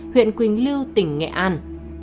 huyện quỳnh lưu tỉnh nghệ an